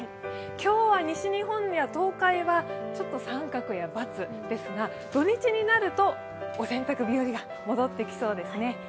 今日は西日本や東海は三角やバツですが土日になると、お洗濯日和が戻ってきそうですね。